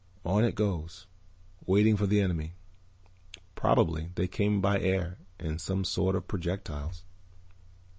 On it goes, waiting for the enemy. Probably they came by air in some sort of projectiles."